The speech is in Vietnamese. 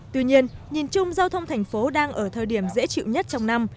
tuy nhiên nhìn chung giao thông thành phố đang ở thời điểm dễ chịu nhất trong năm